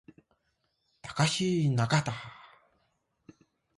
Takashi Nagata